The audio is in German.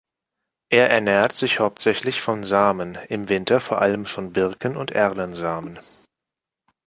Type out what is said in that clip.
Er ernährt sich hauptsächlich von Samen, im Winter vor allem von Birken- und Erlensamen.